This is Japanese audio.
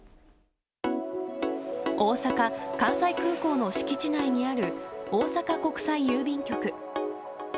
大阪・関西空港の敷地内にある、大阪国際郵便局。